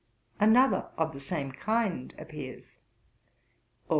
Another of the same kind appears, 'Aug.